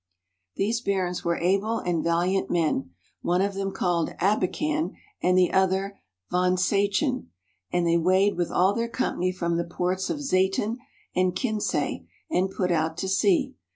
These barons were able and valiant men, one of them called Abacan and the other Vonsainchin, and they weighed with all their company from the ports of Zayton and Kinsay, and put out to sea.